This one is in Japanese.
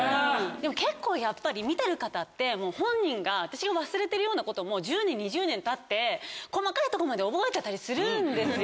結構やっぱり見てる方って本人が私が忘れてるようなことも１０年２０年たって細かいとこまで覚えてたりするんですよ。